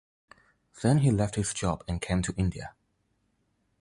Then he left his job and came to India.